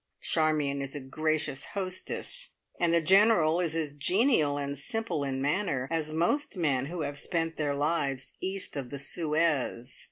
Charmion is a gracious hostess, and the General is as genial and simple in manner as most men who have spent their lives "east of the Suez".